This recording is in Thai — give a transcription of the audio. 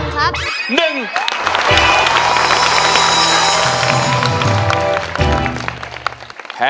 ครับ